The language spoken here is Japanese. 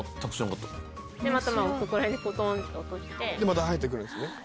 また生えてくるんですね？